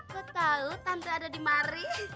kau tau tante ada di mari